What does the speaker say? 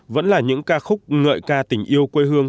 vẫn là những ca khúc ngợi ca tình yêu quê hương